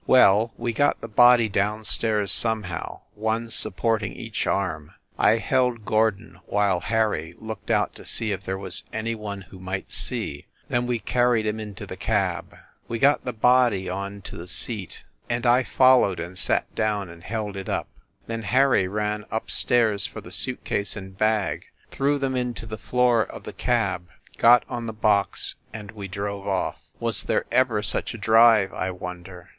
Well, we got the body down stairs somehow, one supporting each arm. ... I held Gordon while Harry looked out to see if there was any one who might see ... then we carried him into the cab. ... We got the body on to the seat and I fol SCHEFFEL HALL 39 lowed and sat down and held it up. ... Then Harry ran up stairs for the suit case and bag, threw them into the floor of the cab, got on the box, and we drove off. Was there ever such a drive, I wonder